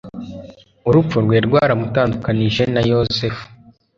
Urupfu rwari rwaramutandukanije na Yosefu,